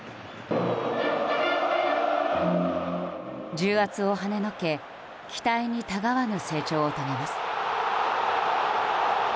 重圧をはねのけ期待にたがわぬ成長を遂げます。